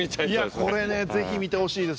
いやこれねぜひ見てほしいです。